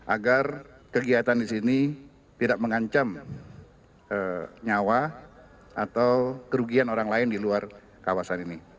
agar kegiatan di sini tidak mengancam nyawa atau kerugian orang lain di luar kawasan ini